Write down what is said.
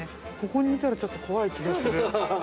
◆ここにいたらちょっと怖い気がする。